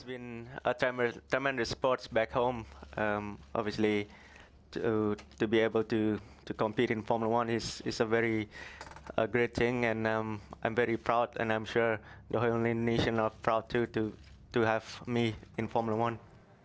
ini adalah hal yang sangat bagus dan saya sangat bangga dan saya yakin indonesia juga bangga untuk memiliki saya di formula one